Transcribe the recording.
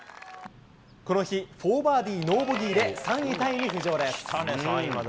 この日、４バーディーノーボギーで、３位タイに浮上です。